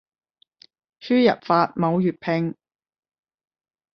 輸入法冇粵拼